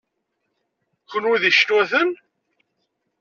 Kenwi d icinwaten?